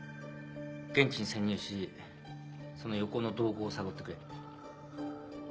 現地に潜入しその横尾の動向を探ってくれ。